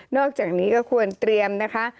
อกจากนี้ก็ควรเตรียมนะคะ